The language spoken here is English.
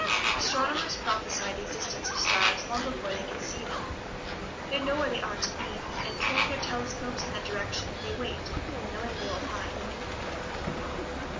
Astronomers prophesy the existence of stars long before they can see them. They know where they ought to be, and training their telescopes in that direction they wait, knowing they will find.